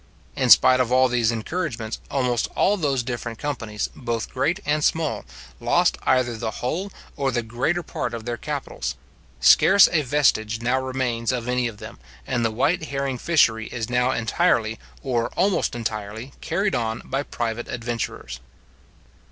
In spite of all these encouragements, almost all those different companies, both great and small, lost either the whole or the greater part of their capitals; scarce a vestige now remains of any of them, and the white herring fishery is now entirely, or almost entirely, carried on by private adventurers.